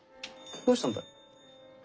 どうしたんだい？